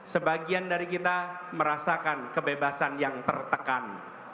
sebagian dari kita merasakan kebebasan yang tertekan